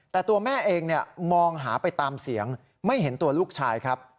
แต่ตัวแม่เองมองหาไปตามเสียงไม่เห็นตัวลูกชายครับ